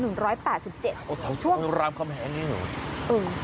อุ๊ยตัวท้องรามกำแหงอยู่